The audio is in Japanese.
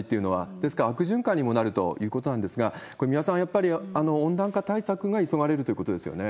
ですから、悪循環になるということなんかが、これ、三輪さん、やっぱり温暖化対策が急がれるということですよね。